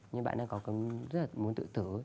nhưng bạn ấy có rất là muốn tự tử